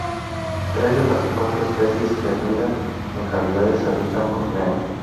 Tres de las cuatro especies que anidan en cavidades habitan Borneo.